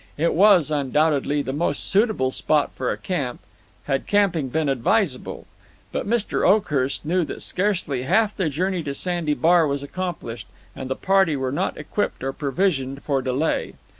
It was, undoubtedly, the most suitable spot for a camp, had camping been advisable. But Mr. Oakhurst knew that scarcely half the journey to Sandy Bar was accomplished, and the party were not equipped or provisioned for delay.